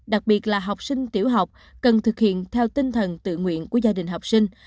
đặc biệt là học sinh tiểu học cần thực hiện theo tinh thần tự nguyện của gia đình học sinh